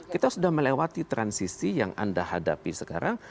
kita sudah melewati transisi yang anda hadapi sekarang